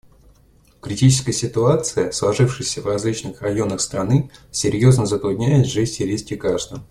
Критическая ситуация, сложившаяся в различных районах страны, серьезно затрудняет жизнь сирийских граждан.